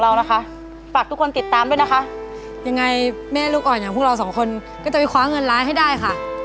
อย่างไรแม่ลูกอ่อนอย่างพวกเรา๒คนก็จะไปคว้าเงินร้ายให้ได้ค่ะ